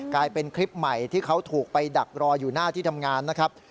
กลายเป็นคลิปใหม่ที่เขาถูกไปดักรออยู่หน้าที่ทำงานนะครับ